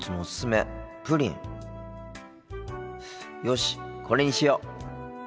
よしこれにしよう。